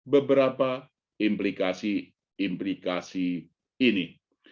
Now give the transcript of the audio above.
beberapa implikasi implikasi ini